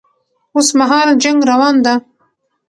اوس مهال جنګ روان ده